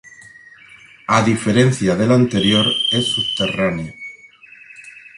A diferencia de la anterior es subterránea.